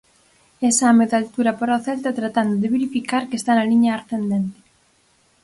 Exame de altura para o Celta tratando de verificar que está na liña ascendente.